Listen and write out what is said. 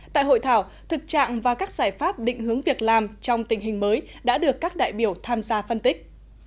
tại hội thảo thực trạng và các giải pháp định hướng việc làm trong tình hình mới đã được các đại biểu tham gia phân tích